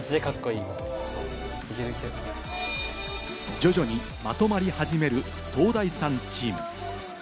徐々にまとまり始めるソウダイさんチーム。